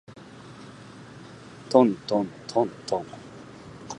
とんとんとんとん